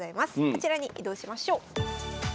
あちらに移動しましょう。